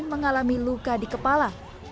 mengalami luka di kepala